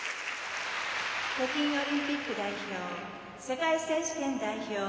北京オリンピック代表世界選手権代表